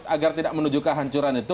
agar tidak menuju kehancuran itu